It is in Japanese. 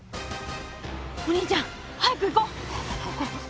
お兄ちゃん早く行こう！